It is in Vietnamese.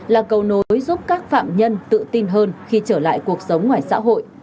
là cầu nối giúp các phạm nhân tự tin hơn khi trở lại cuộc sống ngoài xã hội